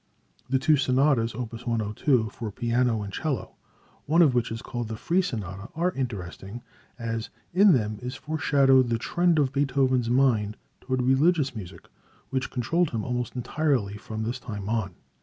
The two sonatas, opus 102, for piano and cello, one of which is called the Free Sonata, are interesting, as in them is foreshadowed the trend of Beethoven's mind toward religious music, which controlled him almost entirely from this time on.